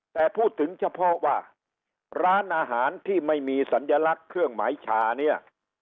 แต่พูดถึงเฉพาะว่าร้านอาหารที่ไม่มีสัญลักษณ์เครื่องหมายชาเนี่ย